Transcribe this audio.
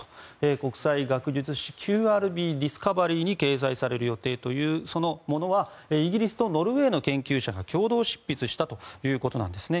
国際学術誌「ＱＲＢディスカバリー」に掲載される予定というそのものはイギリスとノルウェーの研究者が共同執筆したということなんですね。